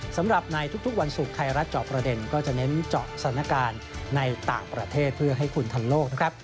สำหรับในทุกวันศุกร์ไทยรัฐเจาะประเด็นก็จะเน้นเจาะสถานการณ์ในต่างประเทศเพื่อให้คุณทันโลกนะครับ